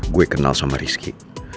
gue kenal sama rizky